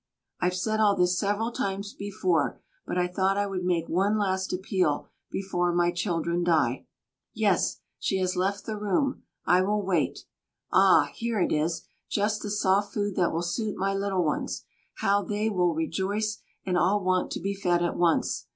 I've said all this several times before, but I thought I would make one last appeal before my children die. Yes; she has left the room! I will wait. Ah! here it is, just the soft food that will suit my little ones: how they will rejoice and all want to be fed at once.